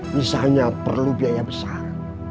misalnya perlu biaya besar